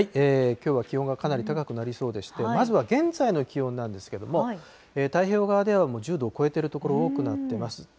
きょうは気温がかなり高くなりそうでして、まずは現在の気温なんですけども、太平洋側ではもう１０度を超えている所、多くなってます。